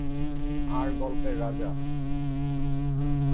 আর গল্পের রাজা।